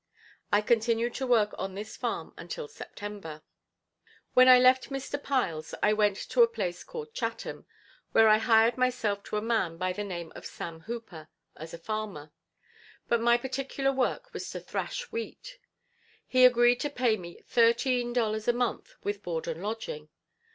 I continued to work on this farm until September. When I left Mr. Pile's I went to a place called Chatham, where I hired myself to a man by the name of Sam Hooper, as a farmer; but my particular work was to thrash wheat. He agreed to pay me thirteen dollars a month with board and lodging.